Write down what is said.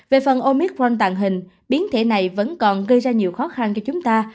về phần omicron tàn hình biến thể này vẫn còn gây ra nhiều khó khăn cho chúng ta